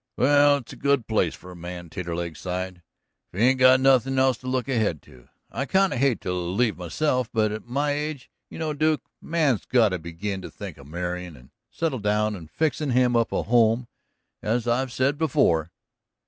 "Well, it's a good place for a man," Taterleg sighed, "if he ain't got nothin' else to look ahead to. I kind o' hate to leave myself, but at my age, you know, Duke, a man's got to begin to think of marryin' and settlin' down and fixin' him up a home, as I've said before."